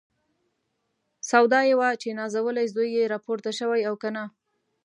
سودا یې وه چې نازولی زوی یې راپورته شوی او که نه.